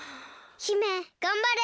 姫がんばれ。